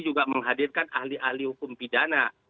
juga menghadirkan ahli ahli hukum pidana